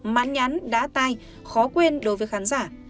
mãn nhắn đá tai khó quên đối với khán giả